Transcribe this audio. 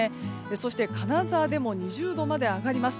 そして、金沢でも２０度まで上がります。